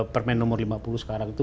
permen nomor lima puluh sekarang itu